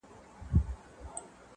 جل وهلی سوځېدلی د مودو مودو راهیسي ،